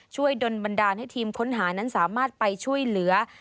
ดนบันดาลให้ทีมค้นหานั้นสามารถไปช่วยเหลือ